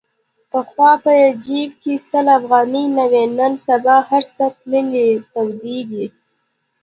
پخوا په جیب کې سل افغانۍ نه وې. نن سبا هرڅه تلې تودې دي.